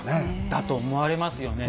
だと思われますよね。